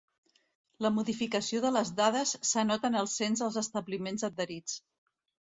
La modificació de les dades s'anota en el cens dels establiments adherits.